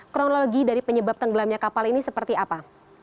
kronologi dari penyebab tenggelamnya kapal ini seperti apa